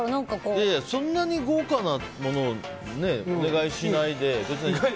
そんなに豪華なものをお願いしないで。